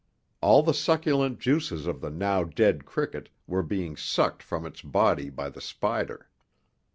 All the succulent juices of the now dead cricket were being sucked from its body by the spider.